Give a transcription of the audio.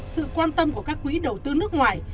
sự quan tâm của các quỹ đầu tư nước ngoài